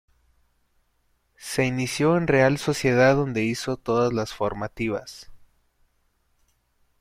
Se inició en Real Sociedad donde hizo todas las formativas.